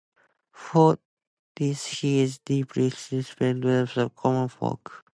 For this he is deeply respected by the common folk.